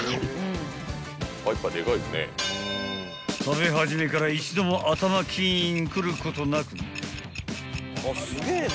［食べ始めから一度も頭キーンくることなく］